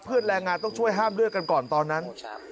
แรงงานต้องช่วยห้ามเลือดกันก่อนตอนนั้น